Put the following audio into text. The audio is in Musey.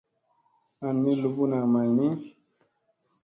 Aŋ ni luɓuna may ni.